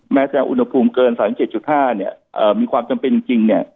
แม้แด่อุณหภูมิเกิน๓๗๕อ่ะเนี่ยมีความจำเป็นจริง